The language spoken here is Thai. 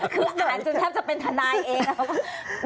คืออ่านจนแทบจะเป็นธนาจีนแหละครับ